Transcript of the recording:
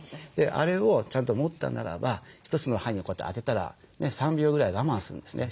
あれをちゃんと持ったならば１つの歯にこうやって当てたら３秒ぐらい我慢するんですね。